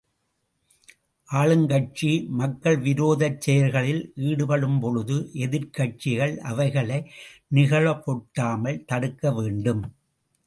ஆளுங்கட்சி மக்கள் விரோதச் செயல்களில் ஈடுபடும்பொழுது எதிர்க்கட்சிகள் அவைகளை நிகழவொட்டாமல் தடுக்க வேண்டும்.